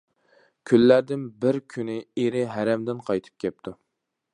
كۈنلەردىن بىر كۈنى ئېرى ھەرەمدىن قايتىپ كەپتۇ.